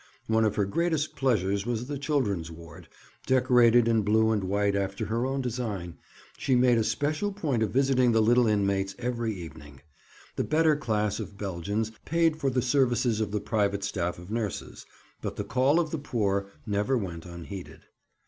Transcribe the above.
One of her greatest pleasures was the children's ward, decorated in blue and white after her own design; she made a special point of visiting the little inmates every evening. The better class of Belgians paid for the services of the private staff of nurses, but the call of the poor never went unheeded.